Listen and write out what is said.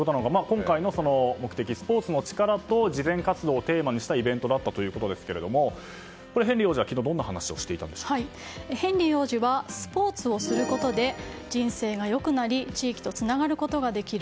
今回の目的はスポーツの力と慈善活動をテーマにしたイベントだったんですがヘンリー王子は昨日、どんな話をヘンリー王子はスポーツをすることで人生が良くなり地域とつながることができる。